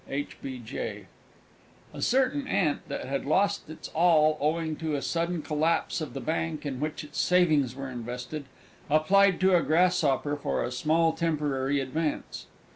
H. B. J. A certain Ant that had lost its All owing to the sudden collapse of the Bank in which its savings were invested, applied to a Grasshopper for a small temporary advance.